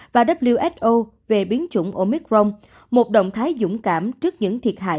và who về biến chủng omicron một động thái dũng cảm trước những thiệt hại